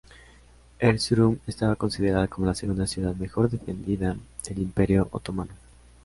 Erzurum estaba considerada como la segunda ciudad mejor defendida del Imperio otomano.